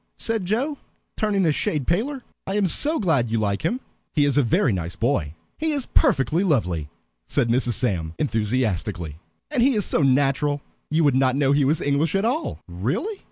said Joe, turning a shade paler. "I am so glad you like him. He is a very nice boy." "He is perfectly lovely," said Mrs. Sam, enthusiastically. "And he is so natural, you would not know he was English at all." "Really?"